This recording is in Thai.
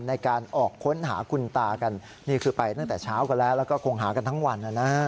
ในการออกค้นหาคุณตากันนี่คือไปตั้งแต่เช้ากันแล้วแล้วก็คงหากันทั้งวันนะฮะ